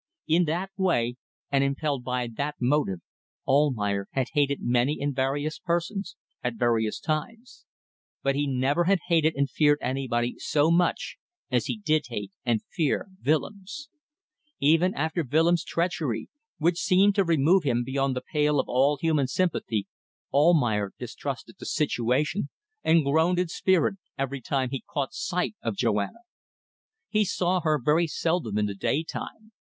In that way, and impelled by that motive, Almayer had hated many and various persons at various times. But he never had hated and feared anybody so much as he did hate and fear Willems. Even after Willems' treachery, which seemed to remove him beyond the pale of all human sympathy, Almayer mistrusted the situation and groaned in spirit every time he caught sight of Joanna. He saw her very seldom in the daytime.